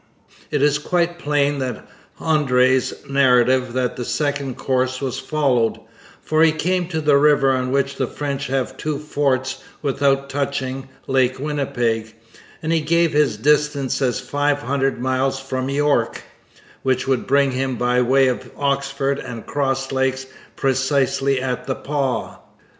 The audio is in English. It is quite plain from Hendry's narrative that the second course was followed, for he came to 'the river on which the French have two forts' without touching Lake Winnipeg; and he gave his distance as five hundred miles from York, which would bring him by way of Oxford and Cross Lakes precisely at the Pas.